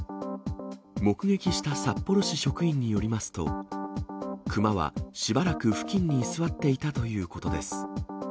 目撃した札幌市職員によりますと、クマはしばらく付近に居座っていたということです。